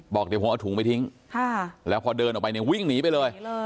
บอกเดี๋ยวผมเอาถุงไปทิ้งแล้วพอเดินออกไปเนี่ยวิ่งหนีไปเลย